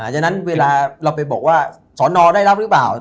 ฉะนั้นเวลาเราไปบอกว่าสอนอได้รับหรือเปล่า